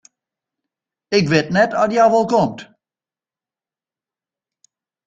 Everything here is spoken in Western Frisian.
Ik wit net oft hja wol komt.